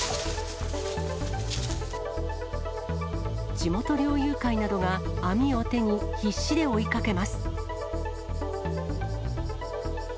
地元猟友会などが網を手に、必死で追いかけます。